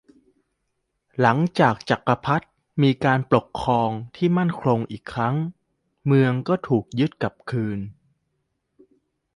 หลังจากจักรวรรดิมีการปกครองที่มั่นคงอีกครั้ง เมืองก็ถูกยึดกลับคืน